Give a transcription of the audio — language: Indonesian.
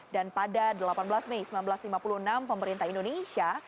dan pada delapan belas mei seribu sembilan ratus lima puluh enam pemerintah indonesia